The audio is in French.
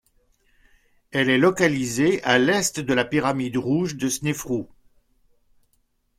Elle est localisée à l'est de la pyramide rouge de Snéfrou.